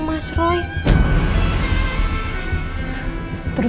kalau sampai mbak andi tahu